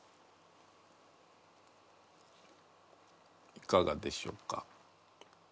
いかがでしょうか？